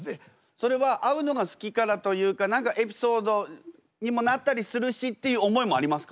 それは会うのが好きからというか何かエピソードにもなったりするしっていう思いもありますか？